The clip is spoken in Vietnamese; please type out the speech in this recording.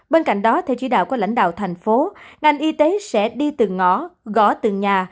bên cạnh đó theo chỉ đạo của lãnh đạo thành phố ngành y tế sẽ đi từng ngõ gõ từng nhà